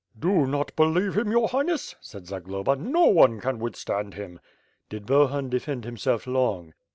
"Do not believe him jx)ur Highness," said Zagloba, "no one can withstand him." "Did Bohun defend himself long?"